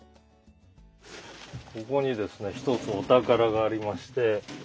ここにですね一つお宝がありまして。